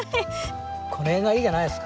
この辺がいいんじゃないですか。